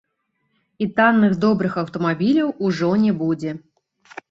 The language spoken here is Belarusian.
І танных добрых аўтамабіляў ужо не будзе.